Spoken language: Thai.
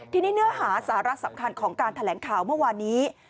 ทีนี้เนื้อหาสาระสำคัญของการแถลงข่าวเมื่อวานนี้